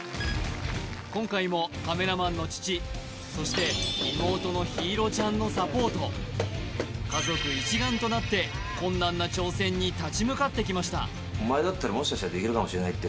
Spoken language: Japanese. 今回もカメラマンの父そして妹の陽彩ちゃんのサポートとなって困難な挑戦に立ち向かってきましたしれないって